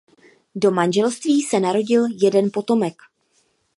Do manželství se narodil jeden potomek.